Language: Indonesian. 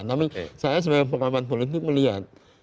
tapi saya sebagai pengelaman politik melihat